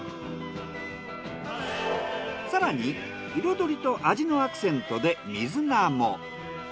更に彩りと味のアクセントで水菜も。